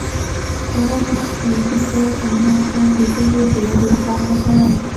هغه نه علمي دی او نه هم د ژبې د ودې لپاره ګټور دی